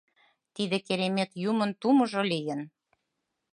Тиде Керемет юмын тумыжо лийын.